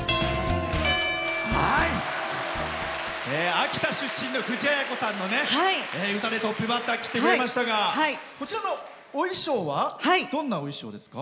秋田出身の藤あや子さんの歌でトップバッター切ってくれましたがこちらのお衣装はどんなお衣装ですか？